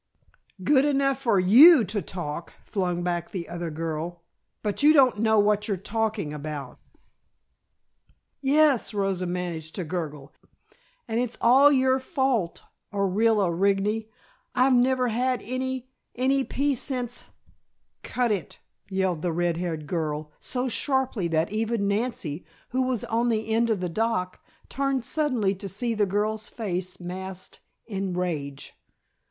"Good enough for you to talk," flung back the other girl. "But you don't know what you're talking about." "Yes," Rosa managed to gurgle, "and it's all your fault, Orilla Rigney, I've never had any any peace since " "Cut it!" yelled the red haired girl, so sharply that even Nancy, who was on the end of the dock, turned suddenly to see the girl's face masked in rage.